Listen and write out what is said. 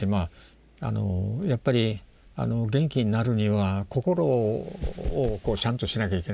やっぱり元気になるには心をちゃんとしなきゃいけない。